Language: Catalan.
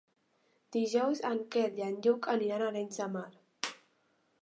Dijous en Quel i en Lluc aniran a Arenys de Mar.